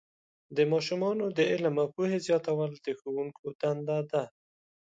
د ماشومانو د علم او پوهې زیاتول د ښوونکو دنده ده.